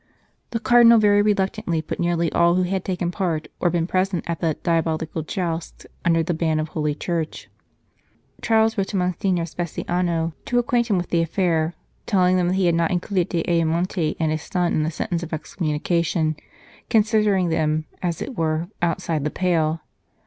The Cardinal very reluctantly put nearly all who had taken part, or been present at the " diabolical jousts," under the ban of Holy Church. Charles wrote to Monsignor Speciano to acquaint him with the affair, telling him that he had not included D Ayamonte and his son in the sentence of excommunication, considering them, as it were, outside the pale.